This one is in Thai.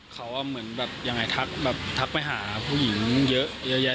เค้าว่าอย่างไรทักไปหาผู้หญิงเยอะเยอะแยะ